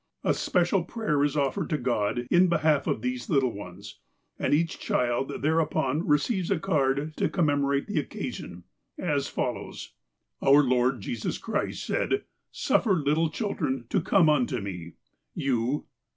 A special prayer is offered to God in behalf of these little ones, and each child thereupon receives a card to commemorate the occasion, as follows : Our Lord Jesus Christ said: come unto Me." " Suffer little children to You..